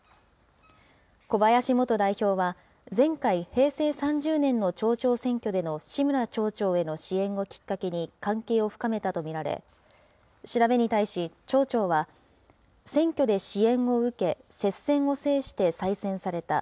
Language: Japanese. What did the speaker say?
小林元代表は、前回・平成３０年の町長選挙での志村町長への支援をきっかけに、関係を深めたと見られ、調べに対し、町長は選挙で支援を受け、接戦を制して再選された。